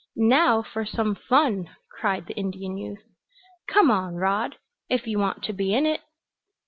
"Now for some fun!" cried the Indian youth. "Come on, Rod, if you want to be in it."